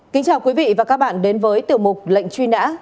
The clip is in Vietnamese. kính chào quý vị và các bạn đến với tiểu mục lệnh truy nã